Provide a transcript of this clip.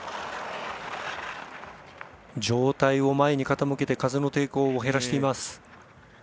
上体を前に傾けて風の抵抗を減らしています。